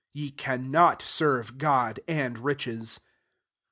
Ye cannot serve God and riches."